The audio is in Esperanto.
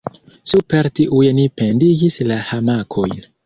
Super tiuj ni pendigis la hamakojn.